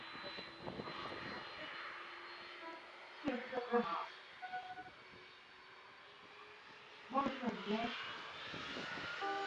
史书没有记载慕容秀以后的事迹。